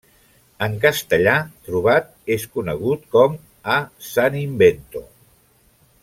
En castellà, Trobat és conegut com a San Invento.